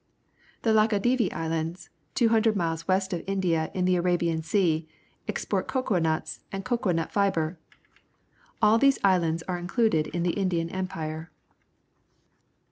The Laccadive Islands, 200 miles west of India in the Arabian Sea, export cocoa tuit.s and cocoa nut fibre . All these islands are included in the Indian Empire.